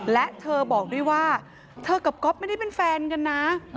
และเธอบอกด้วยว่าเธอกับก๊อฟไม่ได้เป็นแฟนกันนะ